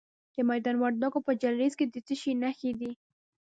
د میدان وردګو په جلریز کې د څه شي نښې دي؟